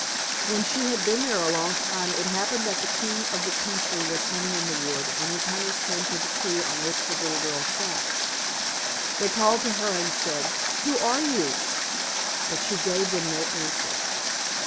When she had been there a long time, it happened that the king of the country was hunting in the wood, and his hunters came to the tree on which the little girl sat. They called to her, and said, "Who are you?" But she gave them no answer.